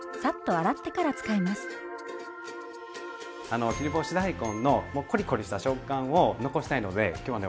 あの切り干し大根のこりこりした食感を残したいので今日はね